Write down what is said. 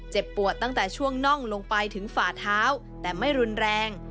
ปวดตั้งแต่ช่วงน่องลงไปถึงฝ่าเท้าแต่ไม่รุนแรง